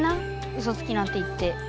ウソつきなんて言って。